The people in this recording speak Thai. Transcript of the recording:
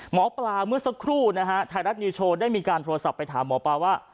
หมอปลาเมื่อสักครู่นะฮะไทยรัฐนิวโชว์ได้มีการโทรศัพท์ไปถามหมอปลาว่า